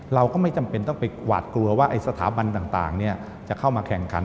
เราก็ไม่จำเป็นต้องไปหวาดกลัวว่าสถาบันต่างจะเข้ามาแข่งขัน